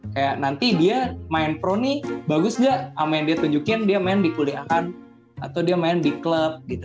kayak nanti dia main pro nih bagus gak sama yang dia tunjukin dia main di kuliahan atau dia main di klub gitu